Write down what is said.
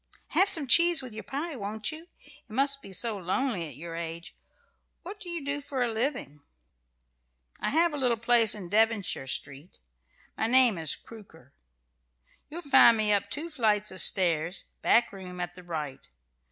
"Have some cheese with your pie, won't you? It must be so lonely at your age! What do you do for a living?" "I have a little place in Devonshire Street. My name is Crooker. You'll find me up two flights of stairs, back room, at the right.